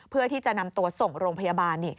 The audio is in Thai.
เพื่อที่จะนำตัวส่งโรงพยาบาล